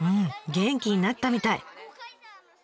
元気になったみたい。